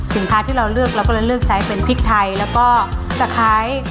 สินค้าที่เราเลือกเราก็เลือกใช้เป็นพริกไทยแล้วก็สะท้าย